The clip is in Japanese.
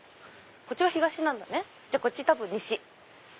こっちが東なんだねじゃあこっち多分西。